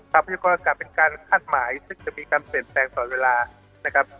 ทราบพระเจ้าการเป็นการคาดหมายซึ่งจะมีการเปลี่ยนแปลงต่อเวลานะครับ